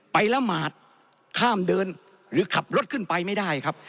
ละหมาดข้ามเดินหรือขับรถขึ้นไปไม่ได้ครับ